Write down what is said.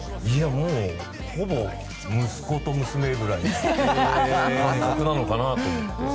もうほぼ息子と娘ぐらいの感覚なのかなと思って。